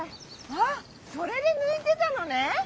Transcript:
あっそれで抜いてたのね？